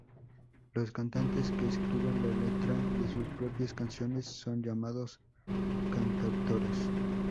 Los cantantes que escriben la letra de sus propias canciones son llamados cantautores.